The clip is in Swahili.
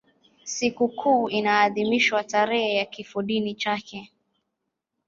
Sikukuu inaadhimishwa tarehe ya kifodini chake.